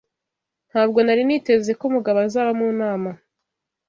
Ntabwo nari niteze ko Mugabo azaba mu nama.